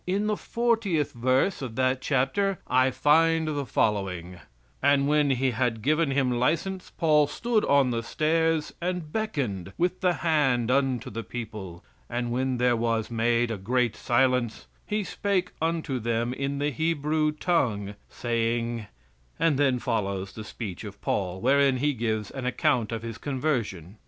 In the fortieth verse of that chapter I find the following: "And when he had given him license, Paul stood on the stairs and beckoned with the hand unto the people; and when there was made a great silence he spake unto them in the Hebrew tongue, saying " And then follows the speech of Paul, wherein he gives an account of his conversion.